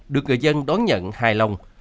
được người dân đón nhận hài lòng